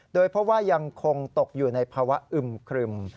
โดยเพราะว่ายังคงตกอยู่ในภาวะอึมครึม